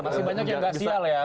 masih banyak yang gak sial ya